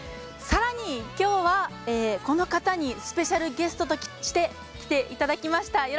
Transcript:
更にきょうはこの方にスペシャルゲストとして来ていただきました。